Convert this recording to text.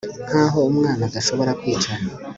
Nkaho umwana adashobora kwica